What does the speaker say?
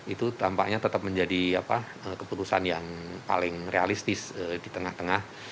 itu tampaknya tetap menjadi keputusan yang paling realistis di tengah tengah